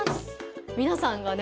皆さんがね